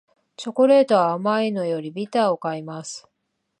チョコレートは甘いのよりビターを買います